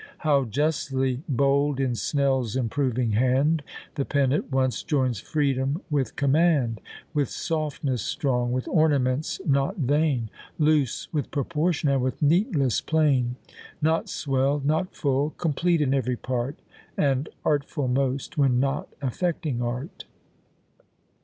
How justly bold in SNELL'S improving hand The pen at once joins freedom with command! With softness strong, with ornaments not vain, Loose with proportion, and with neatness plain; Not swell'd, not full, complete in every part, And artful most, when not affecting art.